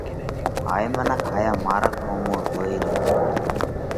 اي منک هايا مارڳ ۿومو زوئي ريو تو۔